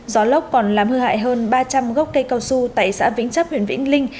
gió lốc còn làm hư hại hơn ba trăm linh gốc cây cao su tại xã vĩnh chấp huyện vĩnh linh